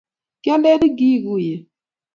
kialeni kiiguiye